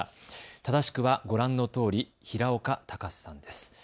正しくはご覧のとおり平岡考さんです。